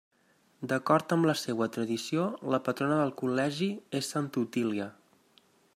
D'acord amb la seua tradició, la patrona del Col·legi és Santa Otília.